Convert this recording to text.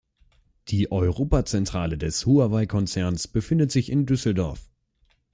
Die Europazentrale des Huawei-Konzerns befindet sich in Düsseldorf.